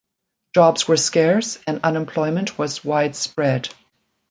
Jobs were scarce and unemployment was widespread.